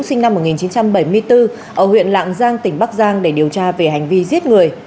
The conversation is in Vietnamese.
sinh năm một nghìn chín trăm bảy mươi bốn ở huyện lạng giang tỉnh bắc giang để điều tra về hành vi giết người